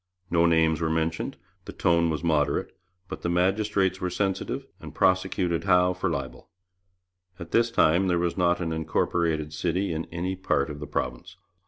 No names were mentioned; the tone was moderate; but the magistrates were sensitive and prosecuted Howe for libel. At this time there was not an incorporated city in any part of the province.